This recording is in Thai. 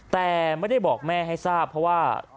แต่ไม่ได้บอกแม่ให้ทราบเพราะว่า